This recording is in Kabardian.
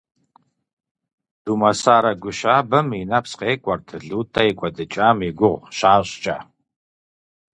Думэсарэ гу щабэм и нэпс къекӀуэрт ЛутӀэ и кӀуэдыкӀам и гугъу щащӀкӀэ.